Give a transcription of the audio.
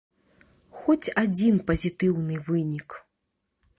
Хоць адзін пазітыўны вынік.